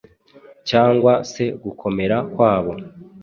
cyangwa se gukomera kwabo.